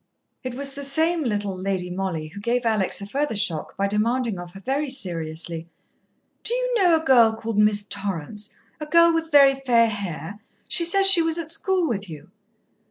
It was the same little Lady Mollie who gave Alex a further shock by demanding of her very seriously: "Do you know a girl called Miss Torrance, a girl with very fair hair? She says she was at school with you."